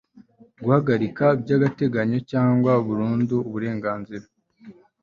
guhagarika by'agateganyo cyangwa burundu uburenganzira